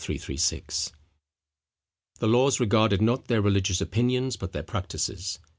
The laws regarded not their religious opinions, but their practices.